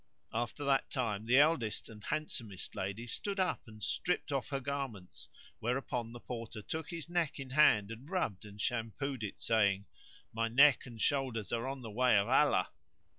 After that time the eldest and handsomest lady stood up and stripped off her garments, whereupon the Porter took his neck in hand, and rubbed and shampoo'd it, saying, "My neck and shoulders are on the way of Allah!"